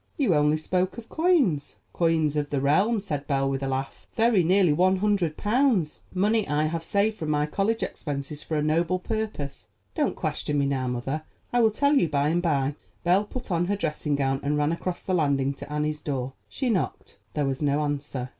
You only spoke of coins." "Coins of the realm," said Belle with a laugh; "very nearly one hundred pounds, money I have saved from my college expenses for a noble purpose. Don't question me now, mother; I will tell you by and by." Belle put on her dressing gown and ran across the landing to Annie's door. She knocked; there was no answer.